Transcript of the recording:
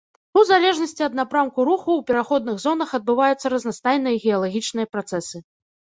У залежнасці ад напрамку руху ў пераходных зонах адбываюцца разнастайныя геалагічныя працэсы.